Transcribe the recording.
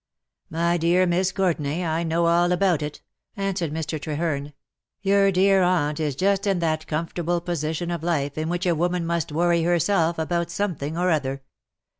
My dear Miss Courtenay, I know all about it," answered Mr. Treherne ; "your dear aunt is just in that comfortable position of life in which a woman must worry herself about something or other.